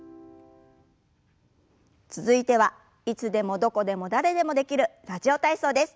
続いてはいつでもどこでも誰でもできる「ラジオ体操」です。